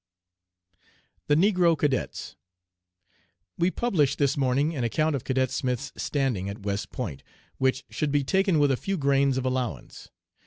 THE NEGRO CADETS. "We publish this morning an account of Cadet Smith's standing at West Point, which should be taken with a few grains of allowance.